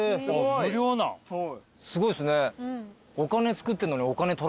すごいっすね。